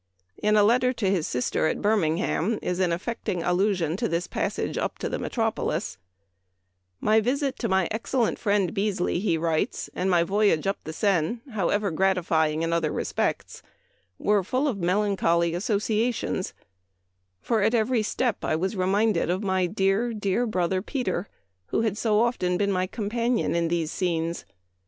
In a letter to his sister at Birmingham is an affecting allusion to this passage up to the metropolis :" My visit to my excellent friend Beasly," he writes, " and my voyage up the Seine, however gratifying in other respects, were full of melancholy associations ; for at every step I was reminded of my dear, dear brother Peter, who had so often been my companion in these scenes.